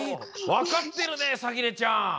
わかってるねさきねちゃん！